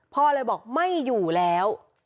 พ่อเลยบอกไม่อยู่แล้ว